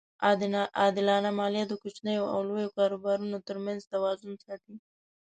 عادلانه مالیه د کوچنیو او لویو کاروبارونو ترمنځ توازن ساتي.